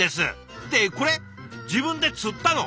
ってこれ自分で釣ったの？